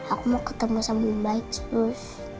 aku mau ketemu sama om baik sus